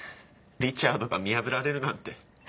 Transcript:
リチャードが見破られるなんて。